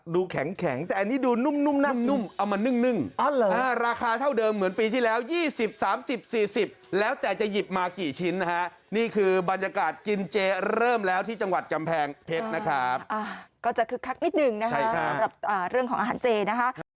ดูแข็งแข็งแต่อันนี้ดูนุ่มนุ่มนับนุ่มนุ่มเอามานึ่งนึ่งอ่าเหรออ่าราคาเท่าเดิมเหมือนปีที่แล้วยี่สิบสามสิบสี่สิบแล้วแต่จะหยิบมากี่ชิ้นนะฮะนี่คือบรรยากาศกินเจเริ่มแล้วที่จังหวัดกำแพงเพชรนะครับอ่าก็จะคึกคักนิดหนึ่งนะฮะใช่ค่ะสำหรับอ่าเรื่องของอาหารเจนะคะ